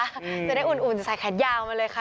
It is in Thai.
จะได้อุ่นใส่แขนยาวมาเลยค่ะ